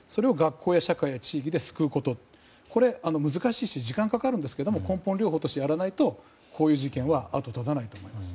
社会や地域で救うことこれ、難しいし時間もかかりますが根本療法としてやらないとこういう事件は後を絶たないと思います。